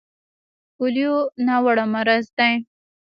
پولیو ناوړه مرض دی.